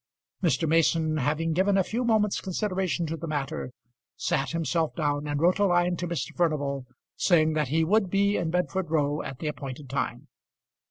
Mr. Mason, having given a few moments' consideration to the matter, sat himself down and wrote a line to Mr. Furnival, saying that he would be in Bedford Row at the appointed time.